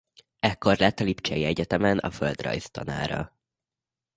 Ekkor lett a lipcsei egyetemen a földrajz tanára.